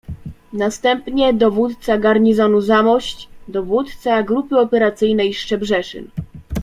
Następnie dowódca garnizonu Zamość, dowódca Grupy Operacyjnej Szczebrzeszyn.